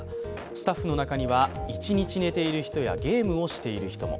スタッフの中には、一日寝ている人やゲームをしている人も。